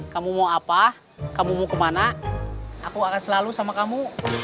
kamu mau apa kamu mau kemana aku akan selalu sama kamu